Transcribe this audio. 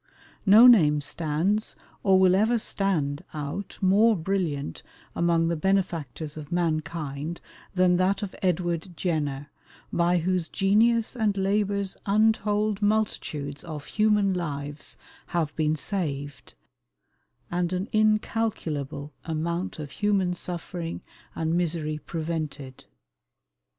No name stands, or will ever stand, out more brilliant among the benefactors of mankind than that of Edward Jenner, by whose genius and labours untold multitudes of human lives have been saved, and an incalculable amount of human suffering and misery prevented.